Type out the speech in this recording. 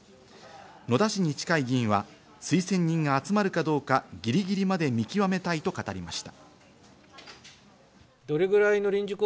野田氏に近い議員は推薦人が集まるかどうか、ぎりぎりまで見極めたいと語りました。